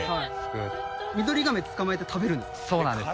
ミドリガメ捕まえて食べるんですか？